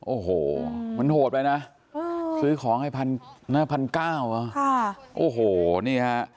โอ้โหมันโหดไปนะซื้อของให้๕๙๐๐บาทโอ้โหนี่ค่ะ